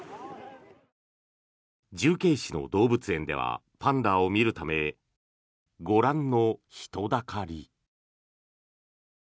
重慶市の動物園ではパンダを見るためご覧の人だかり。